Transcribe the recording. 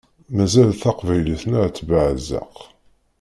Mazal taqbaylit-nneɣ ad tebbeɛzeq.